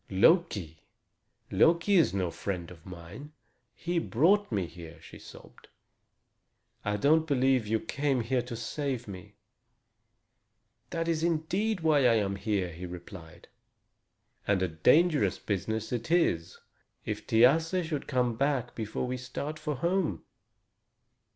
"Loki! Loki is no friend of mine. He brought me here," she sobbed. "I don't believe you came to save me." "That is indeed why I am here," he replied, "and a dangerous business it is, if Thiasse should come back before we start for home."